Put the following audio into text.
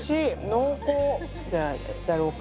濃厚。